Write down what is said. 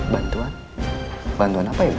bantuan bantuan apa ya bu